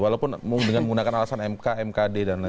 walaupun dengan menggunakan alasan mk mkd dan lain lain